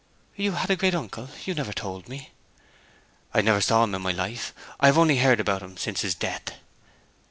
'You had a great uncle? You never told me.' 'I never saw him in my life. I have only heard about him since his death.'